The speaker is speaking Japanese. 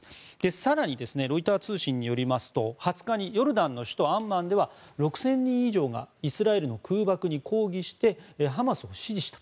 更に、ロイター通信によりますと２０日にヨルダンの首都アンマンでは６０００人以上がイスラエルの空爆に抗議してハマスを支持した。